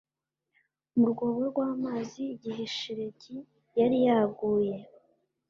Mu Rwobo Rw Amazi Igihe Shelegi Yari Yaguye